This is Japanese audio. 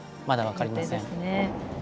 まだ分かりませんね。